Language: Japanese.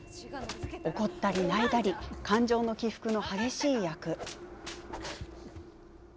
怒ったり泣いたりと感情の起伏の激しい役。